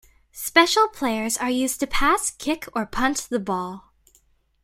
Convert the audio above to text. Special players are used to pass, kick or punt the ball.